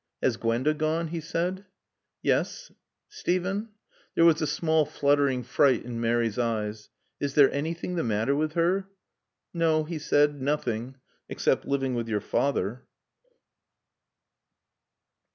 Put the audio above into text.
"Has Gwenda gone?" he said. "Yes. Steven " There was a small, fluttering fright in Mary's eyes. "Is there anything the matter with her?" "No," he said. "Nothing. Except living with your father."